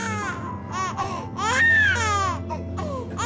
ingat anak kita nunik